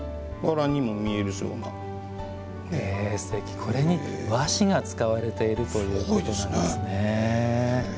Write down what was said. これに和紙が使われているということなんですね。